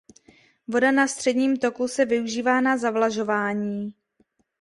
Voda na středním toku se využívá na zavlažování.